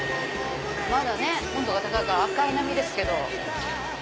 まだ温度が高いから赤い波ですけど。